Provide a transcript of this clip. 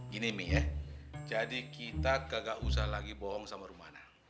gini mi ya jadi kita kagak usah lagi bohong sama rumana